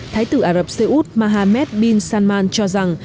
thái tử ả rập xê út mahamed bin salman cho rằng